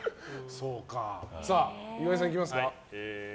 岩井さん、いきますか。